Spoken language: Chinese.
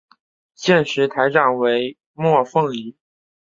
现时台长为莫凤仪。